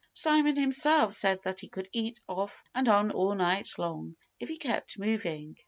Simon himself said that he could eat off and on all night long, if he kept moving.